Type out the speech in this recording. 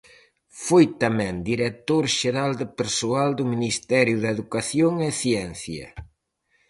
Foi tamén Director xeral de Persoal do Ministerio de Educación e Ciencia.